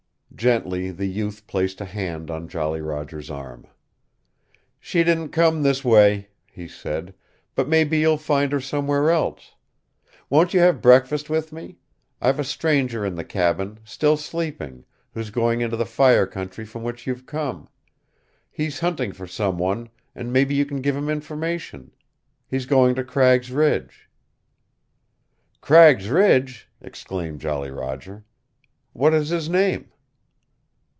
Gently the youth placed a hand on Jolly Roger's arm. "She didn't come this way," he said, "but maybe you'll find her somewhere else. Won't you have breakfast with me? I've a stranger in the cabin, still sleeping, who's going into the fire country from which you've come. He's hunting for some one, and maybe you can give him information. He's going to Cragg's Ridge." "Cragg's Ridge!" exclaimed Jolly Roger. "What is his name?"